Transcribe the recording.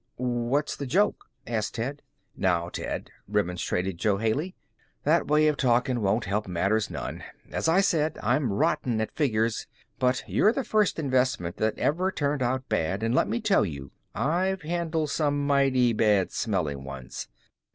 "What's the joke?" asked Ted. "Now, Ted," remonstrated Jo Haley, "that way of talkin' won't help matters none. As I said, I'm rotten at figures. But you're the first investment that ever turned out bad, and let me tell you I've handled some mighty bad smelling ones.